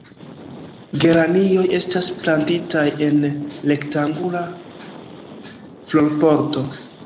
Geranioj estas plantitaj en rektangula florpoto.